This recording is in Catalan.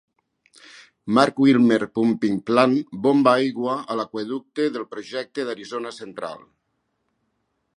Mark Wilmer Pumping Plant bomba aigua a l'aqüeducte del projecte d'Arizona Central.